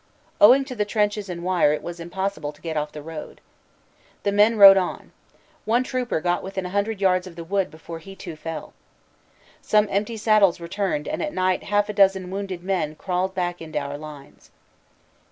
Owing to the trenches 74 CANADA S HUNDRED DAYS and wire it was impossible to get off the road. The men rode on. One trooper got within a hundred yards of the wood before he too fell. Some empty saddles returned and at night half a dozen wounded men crawled back into our lines.